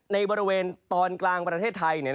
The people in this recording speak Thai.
ในบริเวณตอนกลางประเทศไทย